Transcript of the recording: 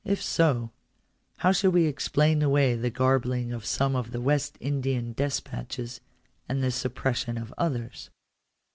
If so, how shall we explain away the garbling of some of the West Indian despatches, and the suppression of others